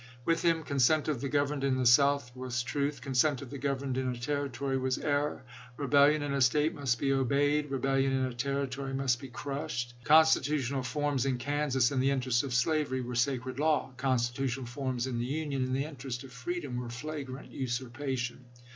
With him, "consent of the gov erned " in a State was truth ;" consent of the gov erned " in a Territory was error. " Eebellion " in a State must be obeyed ;" rebellion " in a Territory " must be crushed." Constitutional forms in Kan sas in the interest of slavery were sacred law ; con stitutional forms in the Union in the interest of freedom were flagrant usurpation.